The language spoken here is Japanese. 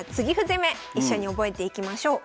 攻め一緒に覚えていきましょう。